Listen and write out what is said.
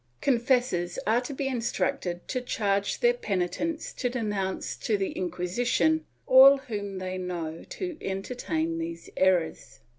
Confessors are to be instructed to charge their penitents to denounce to the Inqui sition all whom they know to entertain these errors.